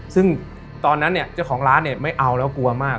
ซึ่งตอนนั้นเนี่ยเจ้าของร้านเนี่ยไม่เอาแล้วกลัวมาก